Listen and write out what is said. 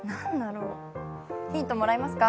ヒントもらえますか？